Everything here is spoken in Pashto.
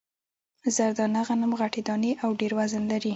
زر دانه غنم غټې دانې او ډېر وزن لري.